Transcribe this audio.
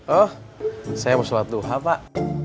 oh saya mau sholat duha pak